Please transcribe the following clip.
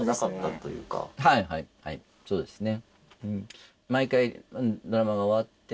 はいはいそうですね。